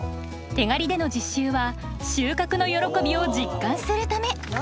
手刈りでの実習は収穫の喜びを実感するため。